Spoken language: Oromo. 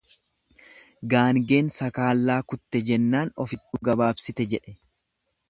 Gaangeen sakaallaa kutte jennaan ofittuu gabaabsite jedhe.